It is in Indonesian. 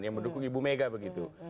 yang mendukung ibu mega begitu